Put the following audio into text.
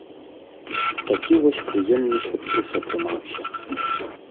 Такі вось прыемны сюрпрыз атрымаўся.